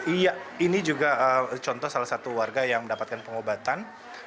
iya ini juga contoh salah satu warga yang mendapatkan pengobatan